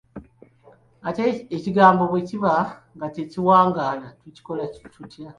Ate ekigambo bwe kiba nga tekiwangaala, tukikola tutya?